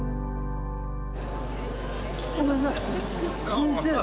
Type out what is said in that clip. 先生！